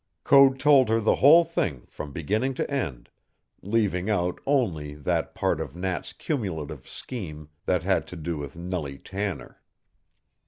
Code told her the whole thing from beginning to end, leaving out only that part of Nat's cumulative scheme that had to do with Nellie Tanner.